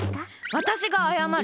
私が謝る！